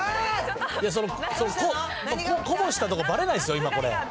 こぼしたとこ、ばれないですよ、今、これ。